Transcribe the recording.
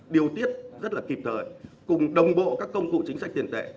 điều tiết rất là kịp thời cùng đồng bộ các công cụ chính sách tiền tệ